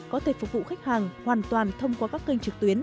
có thể phục vụ khách hàng hoàn toàn thông qua các kênh trực tuyến